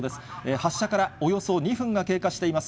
発射からおよそ２分が経過しています。